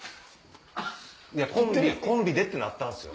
コンビで！ってなったんすよ。